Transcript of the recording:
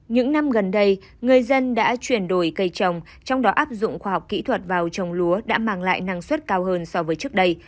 những năm gần đây người dân đã chuyển đổi cây trồng trong đó áp dụng khoa học kỹ thuật vào trồng lúa đã mang lại năng suất cao hơn so với trước đây